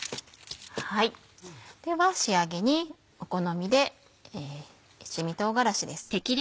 では仕上げにお好みで七味唐辛子です。